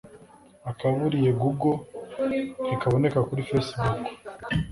• akaburiye google ntikaboneka kuri facebook